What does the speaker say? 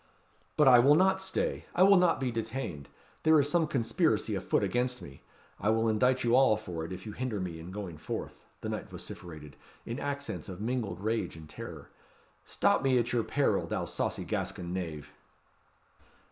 "But I will not stay. I will not be detained. There is some conspiracy a foot against me. I will indict you all for it, if you hinder me in going forth," the knight vociferated, in accents of mingled rage and terror. "Stop me at your peril, thou saucy Gascon knave."